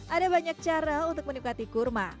ada banyak cara untuk menikmati kurma